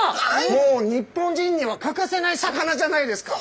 もう日本人には欠かせない魚じゃないですか。